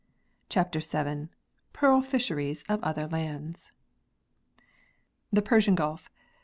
CHAPTER VII PEARL FISHERIES OF OTHER LANDS The Persian Ghdf.